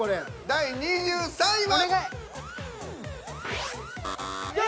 第２０位。